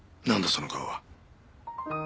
その顔は。